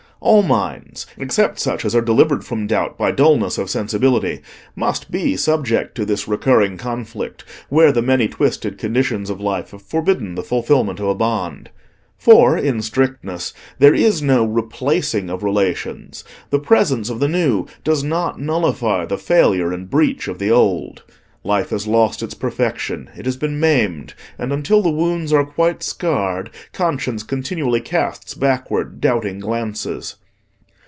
All minds, except such as are delivered from doubt by dulness of sensibility, must be subject to this recurring conflict where the many twisted conditions of life have forbidden the fulfilment of a bond. For in strictness there is no replacing of relations: the presence of the new does not nullify the failure and breach of the old. Life has lost its perfection: it has been maimed; and until the wounds are quite scarred, conscience continually casts backward, doubting glances.